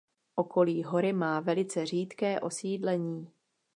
Okolí hory má velice řídké osídlení.